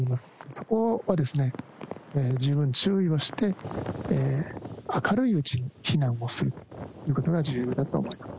そこは十分に注意をして、明るいうちに避難をするということが重要だと思います。